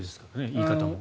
言い方も。